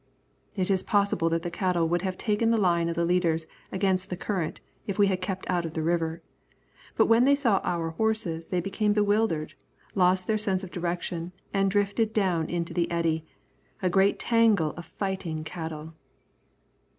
It is possible that the cattle would have taken the line of the leaders against the current if we had kept out of the river, but when they saw our horses they became bewildered, lost their sense of direction and drifted down into the eddy, a great tangle of fighting cattle.